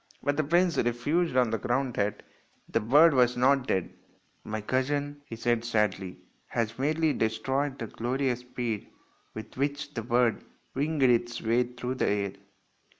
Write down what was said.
But the prince refused on the ground that the bird was not dead. " My cousin," he said sadly, " has merely destroyed the glorious speed with which the bird winged its way through the air."